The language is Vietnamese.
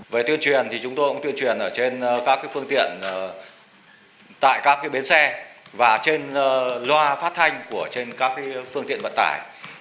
về tuyên truyền thì chúng tôi cũng tuyên truyền trên các phương tiện tại các bến xe và trên loa phát thanh trên các phương tiện vận tải